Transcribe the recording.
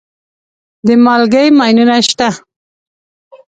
د مالګې ماینونه شته.